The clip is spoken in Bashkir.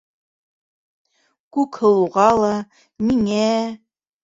Күкһылыуға ла, миңә...